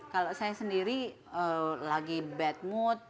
kalau saya sendiri lagi bad mood